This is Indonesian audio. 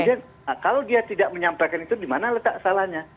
nah kalau dia tidak menyampaikan itu di mana letak salahnya